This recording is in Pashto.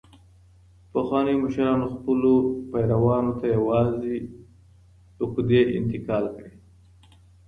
پخوانیو مشرانو خپلو پیروانو ته یوازي عقدې انتقال کړې.